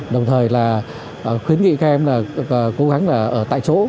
đồng thời là khuyến nghị các em là cố gắng là ở tại chỗ